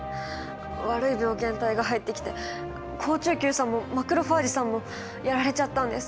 悪い病原体が入ってきて好中球さんもマクロファージさんもやられちゃったんです。